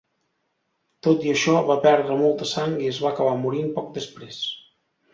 Tot i això, va perdre molta sang i va acabar morint poc després.